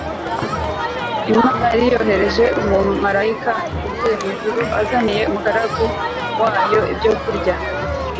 Imana yari yohereje umumarayika uvuye mu ijuru azaniye umugaragu wayo ibyokurya